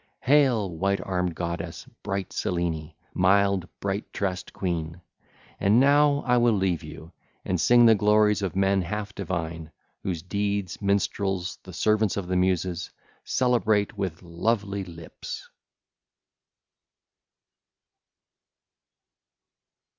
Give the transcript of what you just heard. (ll. 17 20) Hail, white armed goddess, bright Selene, mild, bright tressed queen! And now I will leave you and sing the glories of men half divine, whose deeds minstrels, the servants of the Muses, celebrate with lovely lips.